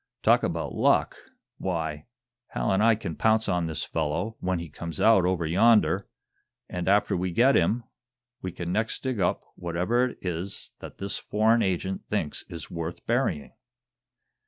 Talk about luck! Why, Hal and I can pounce on this fellow, when he comes out over yonder, and, after we get him, we can next dig up whatever it is that this foreign agent thinks is worth burying!"